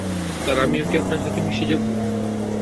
Sir, আমিও কি আপনার সাথে মিশে যাব?